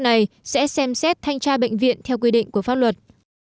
này sẽ xem xét thanh tra bệnh viện theo quy định của pháp luật